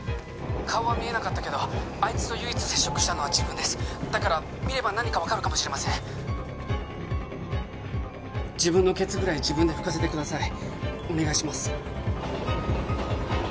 ☎顔は見えなかったけどあいつと唯一接触したのは自分です☎だから見れば何か分かるかもしれません自分のケツぐらい自分で拭かせてください